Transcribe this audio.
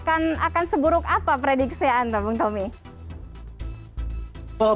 akan seburuk apa prediksi anda bung tommy